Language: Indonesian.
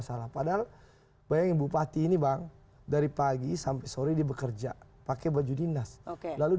salah padahal bayangin bupati ini bang dari pagi sampai sore di bekerja pakai baju dinas lalu